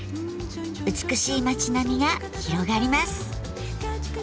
美しい町並みが広がります。